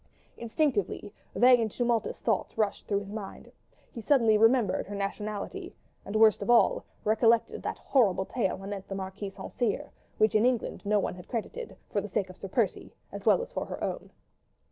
Instinctively, vague and tumultuous thoughts rushed through his mind: he suddenly remembered her nationality, and worst of all, recollected that horrible tale anent the Marquis de St. Cyr, which in England no one had credited, for the sake of Sir Percy, as well as for her own.